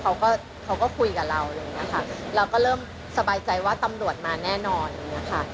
เพราะเขาก็คุยกับเราเลยนะคะเราก็เริ่มสบายใจว่าตำรวจมาแน่นอนนะคะ